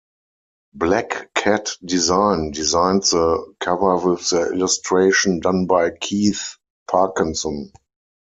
Black Kat Design designed the cover with the illustration done by Keith Parkinson.